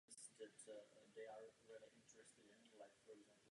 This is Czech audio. Pane komisaři, nejsem pro Evropu, která se uzavírá světu.